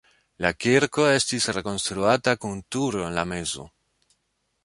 La kirko estis rekonstruata kun turo en la mezo.